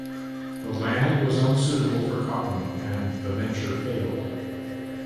The land was unsuitable for cotton, and the venture failed.